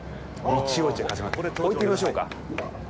置いてみましょうか。